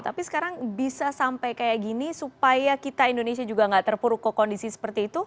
tapi sekarang bisa sampai kayak gini supaya kita indonesia juga nggak terpuruk ke kondisi seperti itu